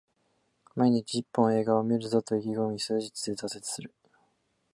毎日一本、映画を観るぞと意気込み数日で挫折する